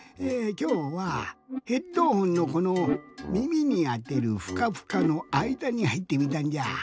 きょうはヘッドホンのこのみみにあてるふかふかのあいだにはいってみたんじゃ。